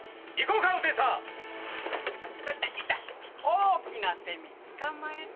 大きなセミ捕まえた。